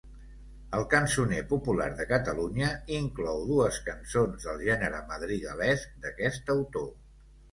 El Cançoner popular de Catalunya inclou dues cançons del gènere madrigalesc, d'aquest autor.